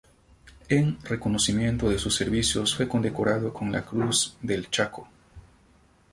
En reconocimiento de sus servicios fue condecorado con la Cruz del Chaco.